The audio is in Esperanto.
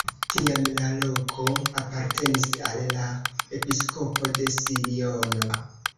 Tiam la loko apartenis al la episkopo de Siono.